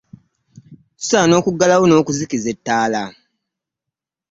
Tusaana okugalawo n'okuzikiza ettaala .